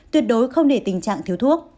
tuyệt đối không để tình trạng thiếu thuốc